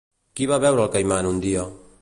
Qui va veure el Caiman un dia?